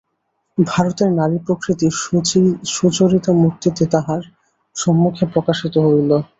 ভারতের নারীপ্রকৃতি সুচরিতা-মূর্তিতে তাহার সম্মুখে প্রকাশিত হইল।